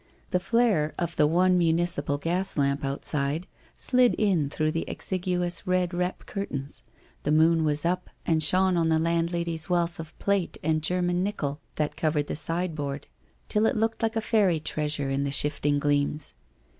The flare of the one municipal gaslamp outside slid in through the exiguous red rep curtains, the moon was up, and shone on the landlady's wealth of plate and German nickel that covered the sideboard, till it looked like a fairy treasure in the shifting gleams.